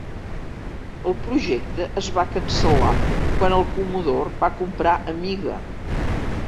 El projecte es va cancel·lar quan el comodor va comprar Amiga.